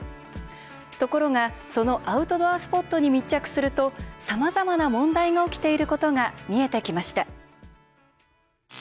ところが、そのアウトドアスポットに密着するとさまざまな問題が起きていることが見えてきました。